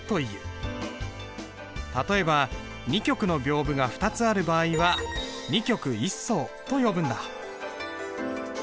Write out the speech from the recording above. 例えば二曲の屏風が２つある場合は二曲一双と呼ぶんだ。